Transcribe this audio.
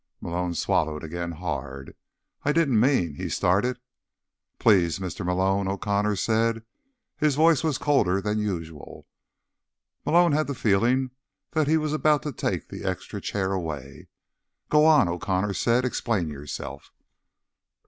Malone swallowed again, hard. "I didn't mean—" he started. "Please, Mr. Malone," O'Connor said. His voice was colder than usual. Malone had the feeling that he was about to take the extra chair away. "Go on," O'Connor said. "Explain yourself."